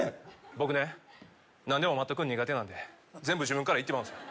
僕ね何でも待っとくん苦手なんで全部自分からいってまうんすよ